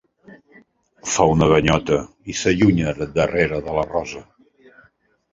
Fa una ganyota i s'allunya darrere de la rossa.